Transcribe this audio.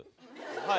はい。